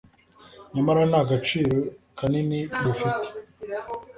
nyamara nta gaciro kanini bufite,